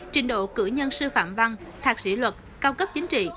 trình độ cử nhân sư phạm văn thạc sĩ luật cao cấp chính trị